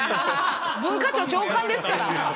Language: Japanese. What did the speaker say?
文化庁長官ですから。